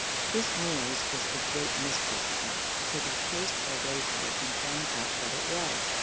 This noise was a great mystery to us till we traced our way to it and found out what it was.